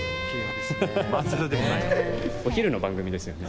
お昼の番組ですよね？